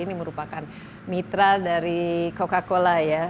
ini merupakan mitra dari coca cola ya